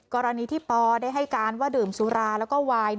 กรณีที่ปอได้ให้การว่าดื่มสุราแล้วก็วาย